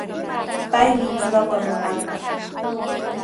Paymi ñuqapa mamaaqa.